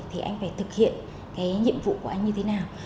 thì anh phải thực hiện cái nhiệm vụ của anh như thế nào